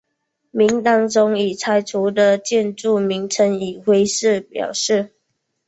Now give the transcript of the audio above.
名单中已拆除的建筑名称以灰色表示。